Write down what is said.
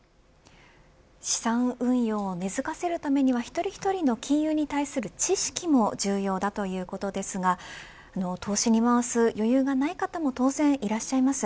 資産運用を根づかせるためには一人一人の金融に対する知識も重要だということですが投資に回す余裕がない方も当然いらっしゃいます。